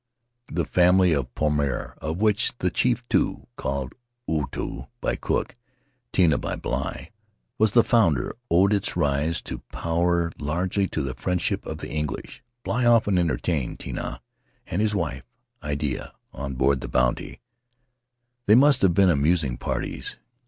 The family of Pomare, of which the chief Tu (called Otoo by Cook, Tinah by Bligh) was the founder, owed its rise to power largely to the friendship of the English. Bligh often entertained Tinah and his wife, Iddeah, on board the Bounty — they must have been amusing parties.